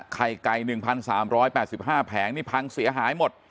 ไข่ไก่หนึ่งพันสามร้อยแปดสิบห้าแผงนี่พังเสียหายหมด